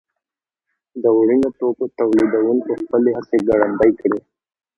د وړینو توکو تولیدوونکو خپلې هڅې ګړندۍ کړې.